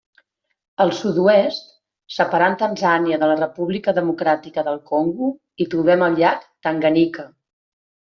Al sud-oest, separant Tanzània de la República Democràtica del Congo, hi trobem el llac Tanganika.